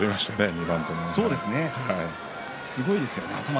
２番とも。